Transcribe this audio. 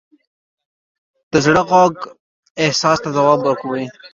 د زړه غوږ احساس ته ځواب ورکوي.